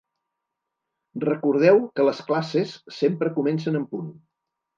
Recordeu que les classes sempre comencen en punt.